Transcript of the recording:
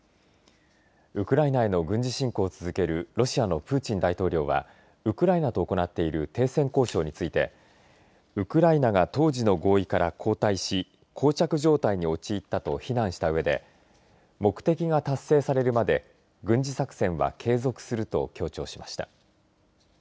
ウクライナへの軍事進攻を続けるロシアのプーチン大統領はウクライナと行っている停戦交渉についてウクライナが当時の合意から後退しこう着状態に陥ったと非難したうえで目的が達成されるまで軍事作戦は継続すると強調しました。